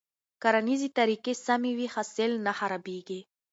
کرنيزې طريقې چې سمې وي، حاصل نه خرابېږي.